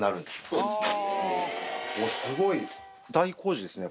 そうですね